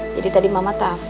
jadi tadi mama taf